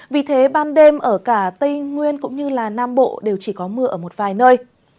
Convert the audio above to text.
vì thế ban đêm ở cả tây nguyên cũng như nam bộ đều chỉ có mưa ở một vài nơi